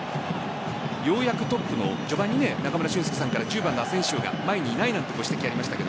ようやくトップに中村俊輔さんから１０番のアセンシオが前にいないなんていう指摘がありました。